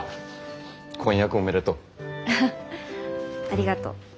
ありがとう。